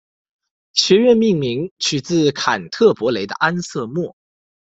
学院命名取自坎特伯雷的安瑟莫。